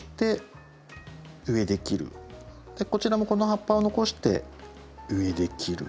こちらもこの葉っぱを残して上で切る。